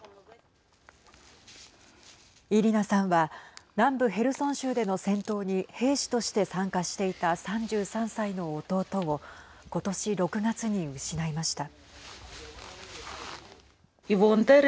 イリナさんは南部ヘルソン州での戦闘に兵士として参加していた３３歳の弟を今年６月に失いました。